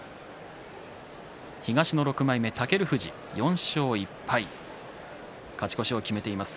東の６枚目、尊富士４勝１敗と勝ち越しを決めています。